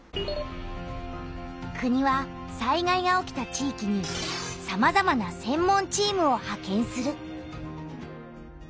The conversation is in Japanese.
国は災害が起きた地域にさまざまな「専門チーム」をはけんする。